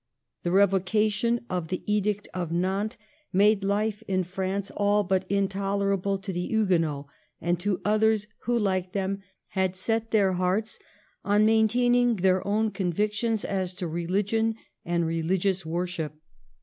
The Eevocation of the Edict of Nantes made life in France all but in tolerable to the Huguenots and to others who, like them, had set their hearts on maintaining their own convictions as to religion and religious worship.